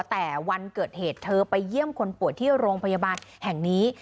แต่วันเกิดเหตุเธอไปเยี่ยมคนป่วยที่โรงพยาบาลแห่งนี้